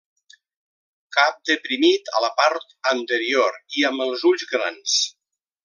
Cap deprimit a la part anterior i amb els ulls grans.